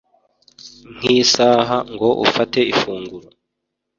nk’isaha ngo ufate ifunguro;